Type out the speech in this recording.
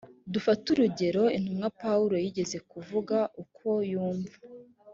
dufate urugero intumwa pawulo yigeze kuvuga uko yumvaga